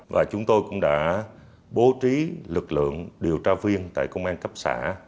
và chúng tôi cũng đã bố trí lực lượng điều tra viên tại công an cấp xã